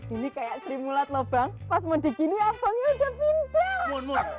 ini kayak trimulat lobang pas mau digini abangnya udah pindah